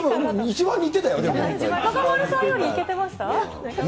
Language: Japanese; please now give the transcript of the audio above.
中丸さんよりいけてました？